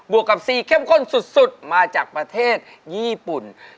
วกกับซีเข้มข้นสุดมาจากประเทศญี่ปุ่น